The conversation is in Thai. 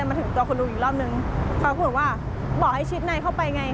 อีกรอบนึงเขาคุยว่าเบาะให้ชิดในเข้าไปไง